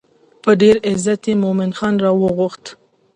په ډېر عزت یې مومن خان راوغوښت.